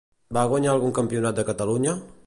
Va guanyar algun Campionat de Catalunya?